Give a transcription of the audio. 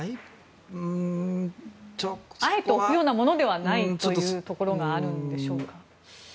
あえて置くようなものではないというところがあるのでしょうか。